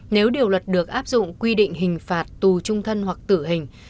nếu điều luật được áp dụng quy định hình phạt tù trung thân hoặc tử hình